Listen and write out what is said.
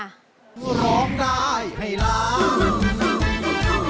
ร้องได้ให้ร้าง